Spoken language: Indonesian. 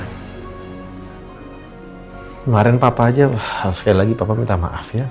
kemarin papa aja sekali lagi papa minta maaf ya